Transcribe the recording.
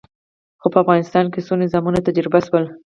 خو په افغانستان کې څو نظامونه تجربه شول.